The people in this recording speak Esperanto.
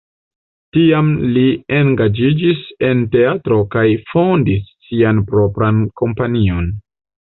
Tiam li engaĝiĝis en teatro kaj fondis sian propran kompanion.